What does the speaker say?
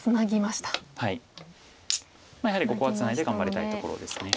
やはりここはツナいで頑張りたいところです。